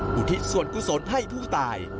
อุทิศส่วนกุศลให้ผู้ตาย